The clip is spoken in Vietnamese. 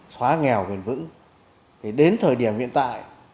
xóa nghèo vườn vững đến thời điểm hiện tại